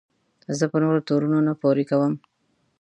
زه په نورو تورونه نه پورې کوم.